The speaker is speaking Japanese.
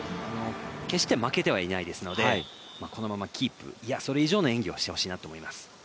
決して負けてはいないですので、このままキープそれ以上の演技をしてほしいなと思います。